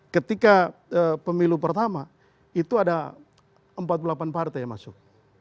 ketika pemilu pertama itu ada empat puluh delapan partai yang masuk